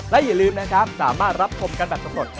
และอย่าลืมนะครับสามารถรับชมกันแบบสำรวจ